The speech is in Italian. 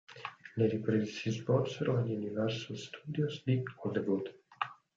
Le riprese si svolsero agli Universal Studios di Hollywood.